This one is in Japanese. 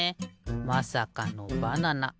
まさかのバナナ。